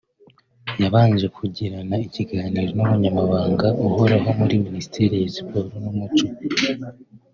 yabanje kugirana ikiganiro n’umunyamabanga uhoraho muri Ministeri ya Siporo n’umuco